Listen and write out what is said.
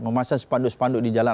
memasang sepanduk sepanduk di jalan